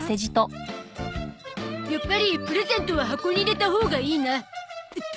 やっぱりプレゼントは箱に入れたほうがいいな。